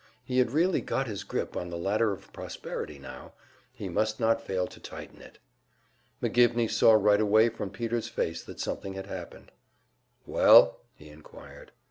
He had really got his grip on the ladder of prosperity now; he must not fail to tighten it. McGivney saw right away from Peter's face that something had happened. "Well?" he inquired.